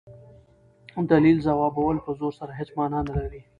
دلیل ځوابول په زور سره هيڅ مانا نه لري.